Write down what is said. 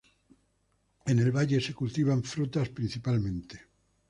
En el valle se cultivan frutas principalmente.